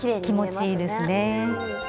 気持ちいいですね。